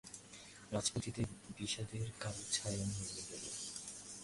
রাজপুরীতে বিষাদের কালো ছায়া নেমে গেল।